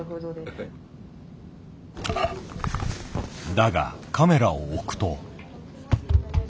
だがカメラを置くと。